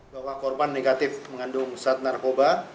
bahwa korban negatif mengandung zat narkoba